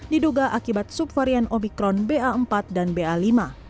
diduga akibat subvarian omikron ba empat dan ba lima